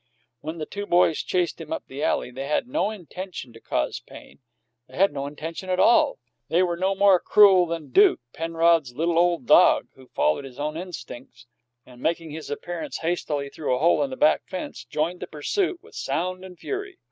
When the two boys chased him up the alley, they had no intention to cause pain; they had no intention at all. They were no more cruel than Duke, Penrod's little old dog, who followed his own instincts, and, making his appearance hastily through a hole in the back fence, joined the pursuit with sound and fury.